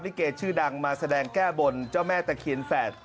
ลิเกชื่อดังมาแสดงแก้บนเจ้าแม่ตะเคียนแฝด